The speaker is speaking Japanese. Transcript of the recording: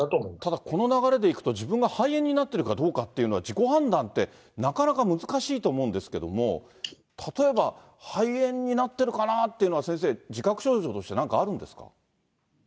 ただこの流れでいくと、自分が肺炎になっているかどうか、自己判断って、なかなか難しいと思うんですけども、例えば肺炎になっているかなっていうのは、先生、自覚症状としてなんかあるんですか？